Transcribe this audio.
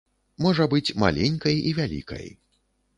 Можа быць маленькай і вялікай.